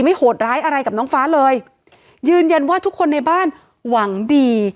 โหดร้ายอะไรกับน้องฟ้าเลยยืนยันว่าทุกคนในบ้านหวังดี